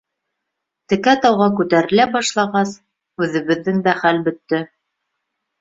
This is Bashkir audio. Текә тауға күтәрелә башлағас, үҙебеҙҙең дә хәл бөттө.